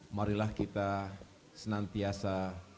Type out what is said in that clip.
marilah kita senantiasa